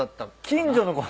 近所の子。